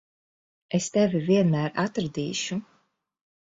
Es tevi vienmēr atradīšu.